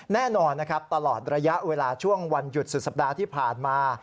แน่นอนนะครับตลอดระยะเวลาช่วงวันหยุดสุดสัปดาห์ที่ผ่านมา